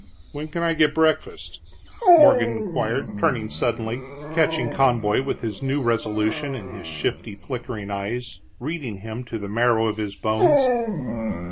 "When can I get breakfast?" Morgan inquired, turning suddenly, catching Conboy with his new resolution in his shifty, flickering eyes, reading him to the marrow of his bones.